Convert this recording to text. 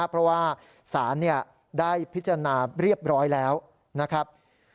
เพราะว่าศาลได้พิจารณาเรียบร้อยแล้วนะครับ